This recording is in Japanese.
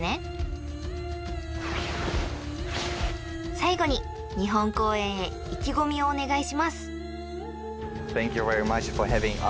［最後に日本公演へ意気込みをお願いします］